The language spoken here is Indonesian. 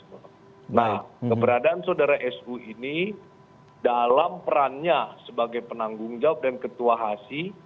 nah keberadaan saudara su ini dalam perannya sebagai penanggung jawab dan ketua hasi